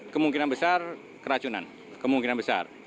kemungkinan besar keracunan kemungkinan besar